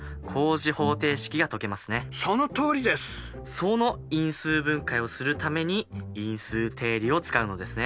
その因数分解をするために因数定理を使うのですね。